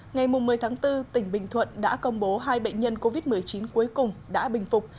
ngày một mươi tháng bốn tỉnh bình thuận đã công bố hai bệnh nhân covid một mươi chín cuối cùng đã bình phục